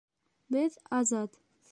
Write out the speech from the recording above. Беҙ — азат.